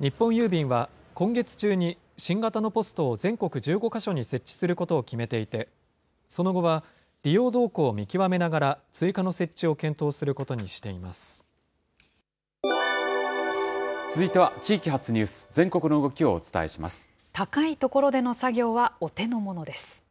日本郵便は今月中に新型のポストを全国１５か所に設置することを決めていて、その後は利用動向を見極めながら、追加の設置を検討することにして続いては地域発ニュース、高い所での作業はお手の物です。